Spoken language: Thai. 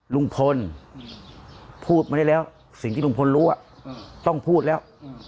ลุงพลพูดมาได้แล้วสิ่งที่ลุงพลรู้ต้องพูดแล้ว